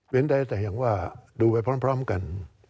เป็นได้แต่อย่างว่าดูไปพร้อมกัน